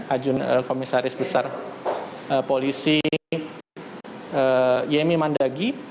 ajun komisaris besar polisi yemi mandagi